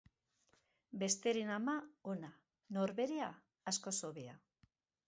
Besteren ama, ona; norberea, askoz hobea.